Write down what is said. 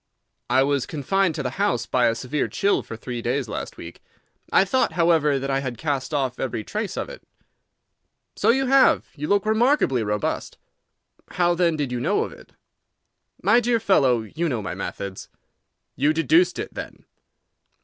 "I was confined to the house by a severe chill for three days last week. I thought, however, that I had cast off every trace of it." "So you have. You look remarkably robust." "How, then, did you know of it?" "My dear fellow, you know my methods." "You deduced it, then?"